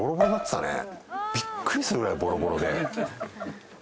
びっくりするぐらいぼろぼろで。